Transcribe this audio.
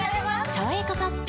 「さわやかパッド」